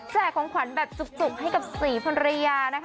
ของขวัญแบบจุกให้กับศรีภรรยานะคะ